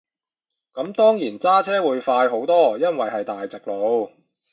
咁當然揸車會快好多，因為係大直路